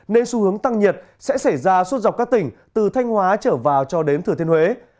nên xu hướng tăng nhiệt sẽ xảy ra suốt dọc các tỉnh từ thanh hóa trở vào cho đến thừa thiên huế